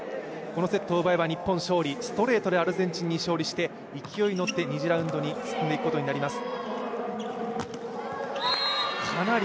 このセットを奪えば、日本の勝利ストレートでアルゼンチンに勝利して、勢いをつけて２次ラウンドに向かうことになります。